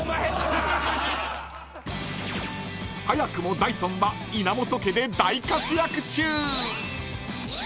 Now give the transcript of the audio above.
［早くもダイソンは稲本家で大活躍中］